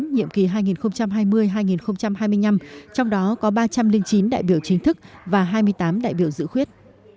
nhiệm kỳ hai nghìn hai mươi hai nghìn hai mươi năm trong đó có ba trăm linh chín đại biểu chính thức và hai mươi tám đại biểu dự khuyết